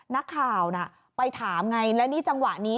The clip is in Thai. นักข่าวน่ะไปถามไงแล้วนี่จังหวะนี้